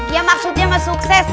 ya maksudnya sama sukses